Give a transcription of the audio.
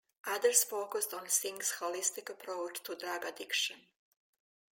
Others focused on Singh's holistic approach to drug addiction.